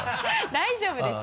大丈夫です。